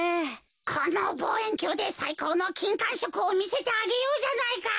このぼうえんきょうでさいこうのきんかんしょくをみせてあげようじゃないか。